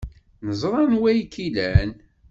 Neẓra anwa ay k-ilan.